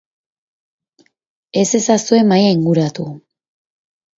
Ez ezazue mahaia inguratu.